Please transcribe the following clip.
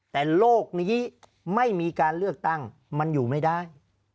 แต่โลกนี้ไม่มีการเลือกตั้งมันอยู่ไม่ได้